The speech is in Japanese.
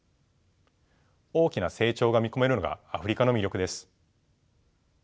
大きな成長が見込めるのがアフリカの魅力です。